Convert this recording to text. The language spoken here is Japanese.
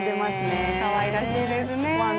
かわいらしいですね。